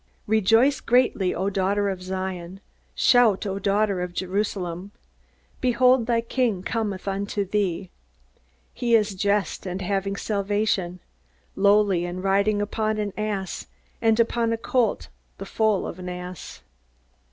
"Rejoice greatly, O daughter of Zion; shout, O daughter of Jerusalem: behold, thy King cometh unto thee: he is just, and having salvation; lowly, and riding upon an ass, and upon a colt the foal of an ass."